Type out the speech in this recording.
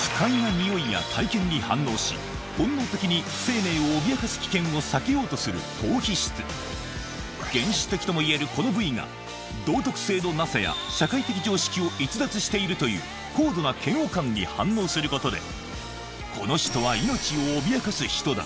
ニオイや体験に反応し本能的に生命を脅かす危険を避けようとする島皮質原始的ともいえるこの部位が道徳性のなさや社会的常識を逸脱しているという高度な嫌悪感に反応することで「この人は命を脅かす人だ」